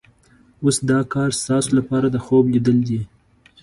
اوس دا کار ستاسو لپاره د خوب لیدل دي.